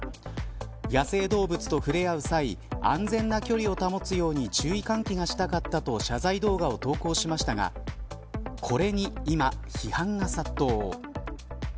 野生動物と触れ合う際安全な距離を保つように注意喚起がしたかったと謝罪動画を投稿しましたがこれに今批判が殺到。